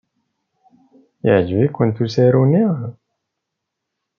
Yeɛjeb-ikent usaru-nni?